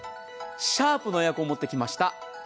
シャープのエアコンを持ってきました。